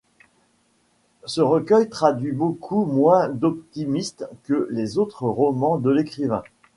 Ce recueil traduit beaucoup moins d'optimisme que les autres romans de l'écrivain.